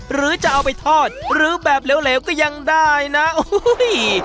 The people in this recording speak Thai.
หรือจะเอาไปทอดหรือแบบเหลวก็ยังได้นะโอ้โห